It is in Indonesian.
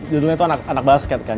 judulnya itu anak anak basket kan